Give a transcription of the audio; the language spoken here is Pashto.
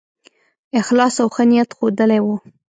اخلاص او ښه نیت ښودلی وو.